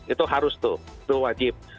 itu harus tuh itu wajib